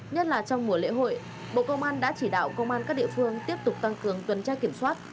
nhất là trong mùa lễ hội bộ công an đã chỉ đạo công an các địa phương tiếp tục tăng cường tuần tra kiểm soát